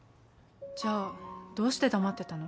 じゃあどうして黙ってたの？